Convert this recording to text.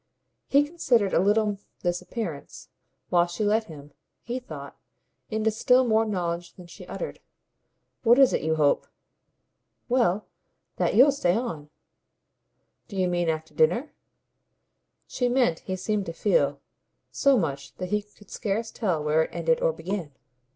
He considered a little this appearance, while she let him, he thought, into still more knowledge than she uttered. "What is it you hope?" "Well, that you'll stay on." "Do you mean after dinner?" She meant, he seemed to feel, so much that he could scarce tell where it ended or began.